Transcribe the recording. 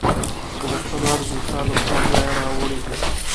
په لوستلو ارزي، دا تا له کومه ځایه راوړې دي؟